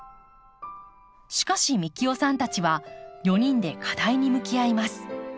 しかし幹雄さんたちは４人で課題に向き合います。